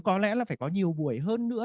có lẽ là phải có nhiều buổi hơn nữa